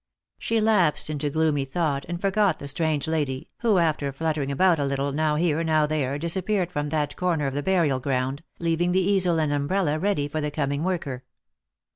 She lapsed into gloomy thought, and forgot the strange lady, who, after fluttering about a little, now here, now there, disap peared from that corner of the burial ground, leaving the easel and umbrella ready for the coming worker.